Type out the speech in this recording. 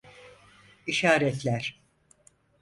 İşaretler.